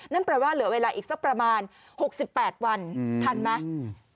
นั่นแปลว่าเหลือเวลาอีกสักประมาณ๖๘วันทันไหม